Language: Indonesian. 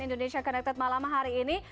indonesia connected malam hari ini